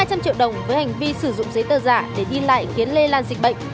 hai trăm linh triệu đồng vì hành vi sử dụng giấy tờ giả khiến lây lan dịch bệnh